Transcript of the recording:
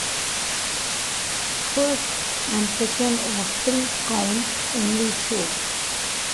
First and second of three counts only shown.